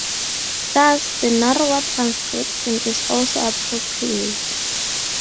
Thus, the narrower transcription is also appropriate.